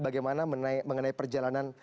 bagaimana mengenai perjalanan